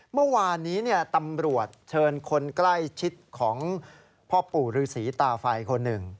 เมื่อวานนี้ตำรวจเชิญคนใกล้ชิดของพ่อปู่ฤษีตาไฟคนหนึ่ง